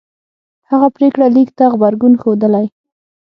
هغه پرېکړه لیک ته غبرګون ښودلی